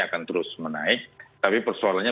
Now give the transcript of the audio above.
akan terus menaik tapi persoalannya